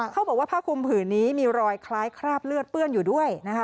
เขาบอกว่าผ้าคลุมผืนนี้มีรอยคล้ายคราบเลือดเปื้อนอยู่ด้วยนะคะ